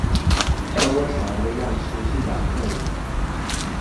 而我想要的樣式是長這樣